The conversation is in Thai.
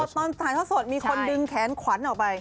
ตอนถ่ายท่อสดมีคนดึงแขนขวัญออกไป